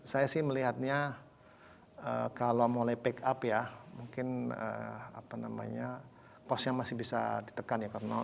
saya sih melihatnya kalau mulai backup ya mungkin apa namanya kosnya masih bisa ditekan ya karena